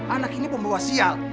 anak ini pembawa sial